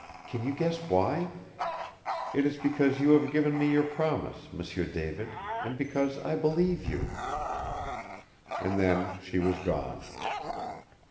Can you guess why? It is because you have given me your promise, M'sieu David, and because I believe you!" And then she was gone.